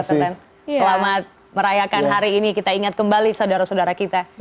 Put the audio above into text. selamat merayakan hari ini kita ingat kembali saudara saudara kita